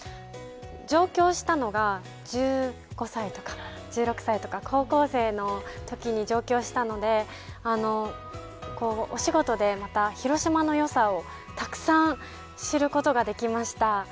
上京したのが１５歳とか１６歳とか高校生の時に上京したのでお仕事でまた広島のよさをたくさん知ることができました。